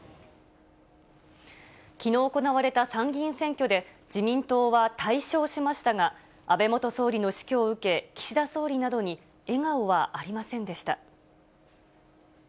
きのう行われた参議院選挙で、自民党は大勝しましたが、安倍元総理の死去を受け、岸田総理などに笑顔はありませんでした。